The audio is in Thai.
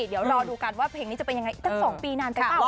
เดี๋ยวรอดูกันว่าเพลงนี้จะเป็นยังไงอีกสัก๒ปีนานไปเปล่า